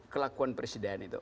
kelakuan presiden itu